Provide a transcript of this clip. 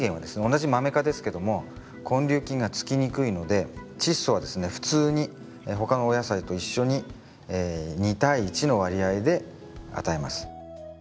同じマメ科ですけども根粒菌がつきにくいのでチッ素はですね普通に他のお野菜と一緒に２対１の割合で与えます。